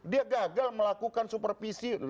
dia gagal melakukan supervisi